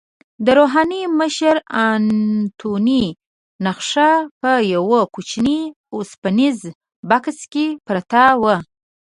د روحاني مشر انتوني نخښه په یوه کوچني اوسپنیز بکس کې پرته وه.